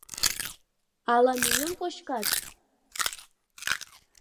Ала мӱйым кочкат?